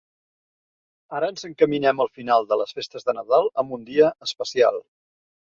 Ara ens encaminem al final de les festes de Nadal amb un dia especial.